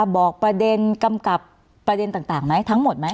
บอกประเด็นกำกับประเด็นต่างไหมทั้งหมดไหม